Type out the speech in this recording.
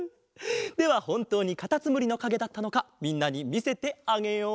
ではほんとうにかたつむりのかげだったのかみんなにみせてあげよう。